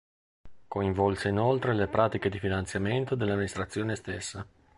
Coinvolse inoltre le pratiche di finanziamento dell'amministrazione stessa.